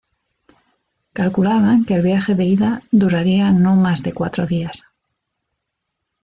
Calculaban que el viaje de ida duraría no más de cuatro días.